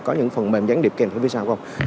có những phần mềm gián điệp kèm theo phía sau không